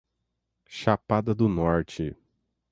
Chapada do Norte